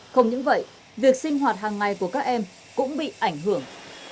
không những vậy việc sinh hoạt hàng ngày của các em cũng bị ảnh hưởng